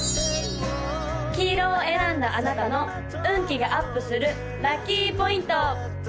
黄色を選んだあなたの運気がアップするラッキーポイント！